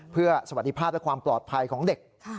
เพื่อสวัสดีภาพและความปลอดภัยของเด็ก